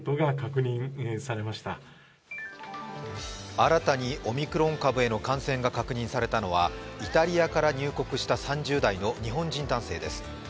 新たにオミクロン株への感染が確認されたのはイタリアから入国した３０代の日本人男性です。